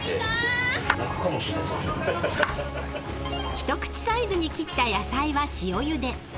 ［一口サイズに切った野菜は塩ゆで］